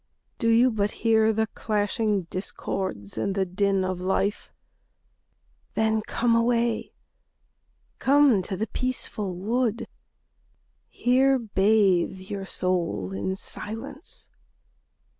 Do you but hear the clashing discords and the din of life? Then come away, come to the peaceful wood, Here bathe your soul in silence.